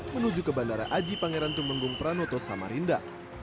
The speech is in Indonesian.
menuju ke bandara aji pangeran tumenggung pranoto samarinda